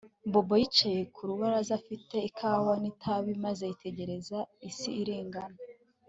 Bobo yicaye ku rubaraza afite ikawa nitabi maze yitegereza isi irengana